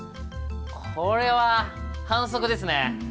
これは反則ですね。